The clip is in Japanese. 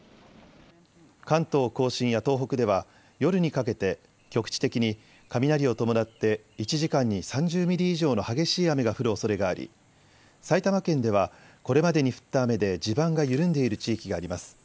関東甲信や東北では夜にかけて局地的に雷を伴って１時間に３０ミリ以上の激しい雨が降るおそれがあり埼玉県ではこれまでに降った雨で地盤が緩んでいる地域があります。